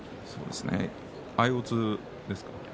相四つですか？